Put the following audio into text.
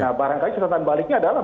nah barangkali catatan baliknya adalah